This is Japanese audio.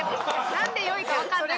なんで良いかわかんない？